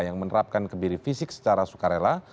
yang menerapkan kebiri fisik secara sukarela